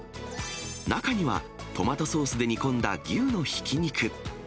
中には、トマトソースで煮込んだ牛のひき肉。